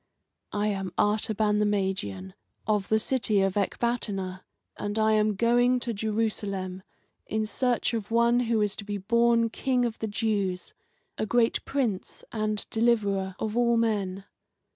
"I am Artaban the Magian, of the city of Ecbatana, and I am going to Jerusalem in search of one who is to be born King of the Jews, a great Prince and Deliverer of all men.